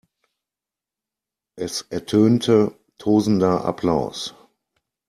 Es ertönte tosender Applaus.